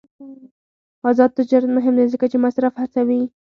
آزاد تجارت مهم دی ځکه چې مصرف هڅوي.